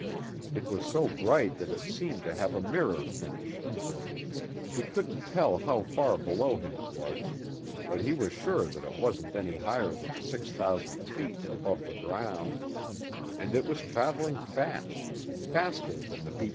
It was so bright that it seemed to have a mirror finish. He couldn't tell how far below him it was but he was sure that it wasn't any higher than 6,000 feet above the ground, and it was traveling fast, faster than the B 29.